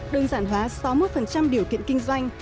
đơn giản hóa sáu mươi một điều kiện kinh doanh